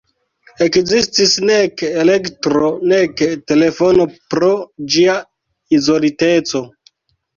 Ekzistis nek elektro nek telefono pro ĝia izoliteco.